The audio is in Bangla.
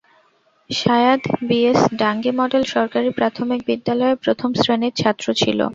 সায়াদ বিএস ডাঙ্গী মডেল সরকারি প্রাথমিক বিদ্যালয়ের প্রথম শ্রেণীর ছাত্র ছিল।